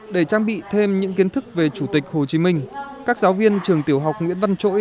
để trang bị thêm những kiến thức về chủ tịch hồ chí minh các giáo viên trường tiểu học nguyễn văn chỗi